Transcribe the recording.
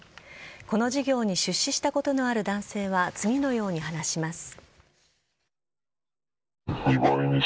この事業に出資したことのある男性は次のように話します。